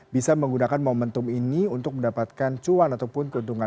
bisa menggunakan momentum ini untuk mendapatkan cuan ataupun keuntungan